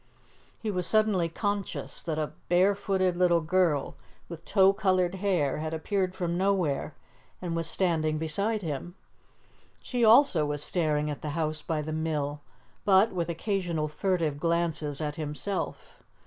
He was suddenly conscious that a bare footed little girl with tow coloured hair had appeared from nowhere, and was standing beside him. She also was staring at the house by the mill, but with occasional furtive glances at himself.